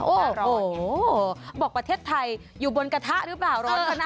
โอ้โหบอกประเทศไทยอยู่บนกระทะหรือเปล่า